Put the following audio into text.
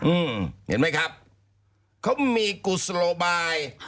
อืมเห็นไหมครับเขามีกุศโลบาย